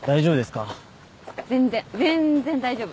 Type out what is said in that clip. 全然全然大丈夫。